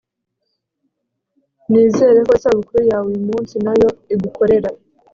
nizere ko isabukuru yawe uyumunsi nayo igukorera